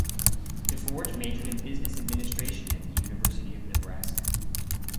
DeForge majored in Business Administration at the University of Nebraska.